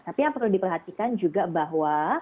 tapi yang perlu diperhatikan juga bahwa